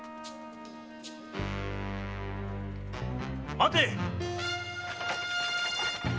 待て！